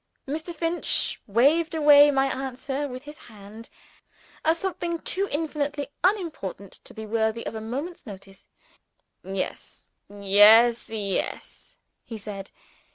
Mr. Finch waved away my answer with his hand, as something too infinitely unimportant to be worthy of a moment's notice. "Yes! yes! yes!" he said.